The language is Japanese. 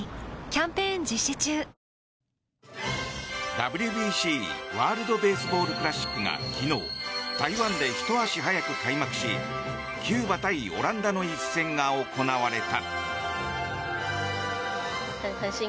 ＷＢＣ＝ワールド・ベースボール・クラシックが昨日、台湾でひと足早く開幕しキューバ対オランダの一戦が行われた。